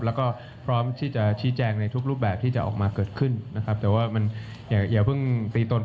แล้วก็พร้อมที่จะชี้แจงในทุกรูปแบบที่จะออกมาเกิดขึ้น